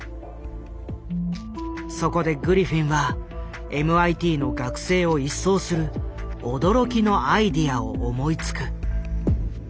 そこでグリフィンはＭＩＴの学生を一掃する驚きのアイデアを思いつく。